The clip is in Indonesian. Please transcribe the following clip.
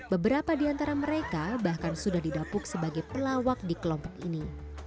beberapa di antara mereka bahkan sudah didapuk sebagai pelawak di kelompok ini